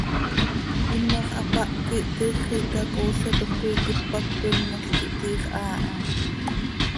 Iimox hapáh quih, tiix xiica coosyatoj coi quipac cöquinol quih, tiix haa ha.